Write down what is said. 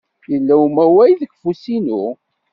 Yella umawal deg ufus-inu.